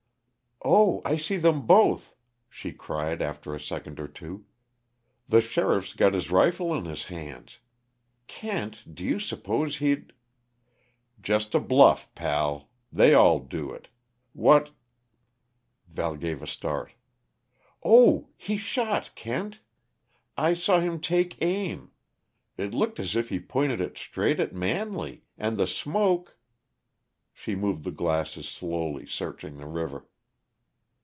"Oh, I see them both!" she cried, after a second or two. "The sheriff's got his rifle in his hands Kent, do you suppose he'd " "Just a bluff, pal. They all do it. What " Val gave a start. "Oh, he shot, Kent! I saw him take aim it looked as if he pointed it straight at Manley, and the smoke " She moved the glasses slowly, searching the river.